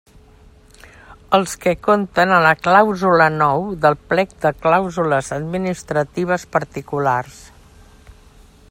Els que conten a la clàusula nou del plec de clàusules administratives particulars.